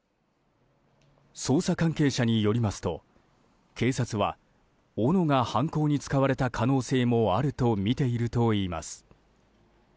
捜査関係者によりますと警察は、おのが犯行に使われた可能性もあるとみているといいます。